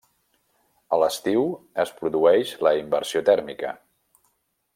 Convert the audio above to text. A l'estiu es produeix la inversió tèrmica.